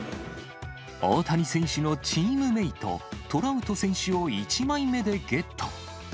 大谷選手のチームメート、トラウト選手を１枚目でゲット。